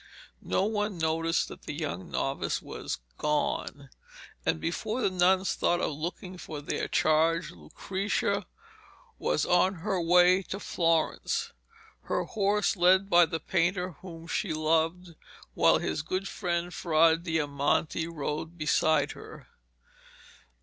No one noticed that the young novice was gone, and before the nuns thought of looking for their charge Lucrezia was on her way to Florence, her horse led by the painter whom she loved, while his good friend Fra Diamante rode beside her.